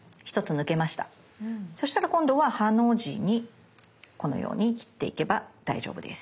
そしたら今度は「ハ」の字にこのように切っていけば大丈夫です。